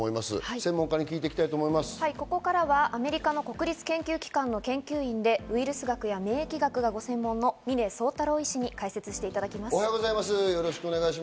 専門家にここからはアメリカの国立研究機関の研究員でウイルス学や免疫学がご専門の峰宗太郎医師に解説していただきます。